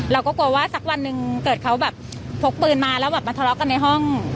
เราก็กลัวว่าสักวันหนึ่งเกิดเขาแบบพกปืนมาแล้วแบบมาทะเลาะกันในห้อง